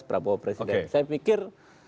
prabowo presiden saya pikir